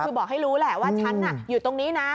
คือบอกให้รู้แหละว่าฉันอยู่ตรงนี้นะ